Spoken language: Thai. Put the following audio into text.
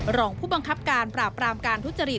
รองผู้บังคับการปราบรามการทุจริต